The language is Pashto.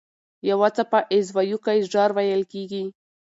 یو څپه ایز ويیکی ژر وېل کېږي.